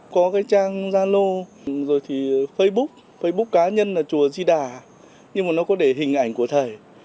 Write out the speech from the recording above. có cái trang zalo rồi thì facebook facebook cá nhân là chùa di đà nhưng mà nó có để hình ảnh của thầy